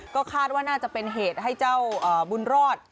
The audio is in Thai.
ก็คาดว่าน่าจะเป็นเหตุให้เจ้าบุญรอด